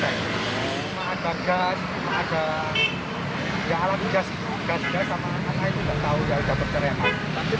tidak ada gas tidak ada gas gas dan saya tidak tahu ya sudah bercerai